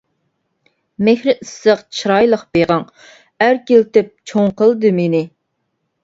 مېھرى ئىسسىق چىرايلىق بېغىڭ، ئەركىلىتىپ چوڭ قىلدى مېنى.